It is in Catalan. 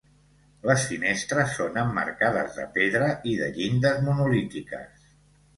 Les finestres són emmarcades de pedra i de llindes monolítiques.